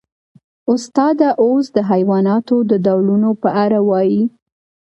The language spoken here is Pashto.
استاده اوس د حیواناتو د ډولونو په اړه ووایئ